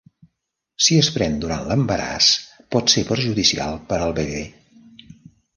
Si es pren durant l'embaràs, pot ser perjudicial per al bebè.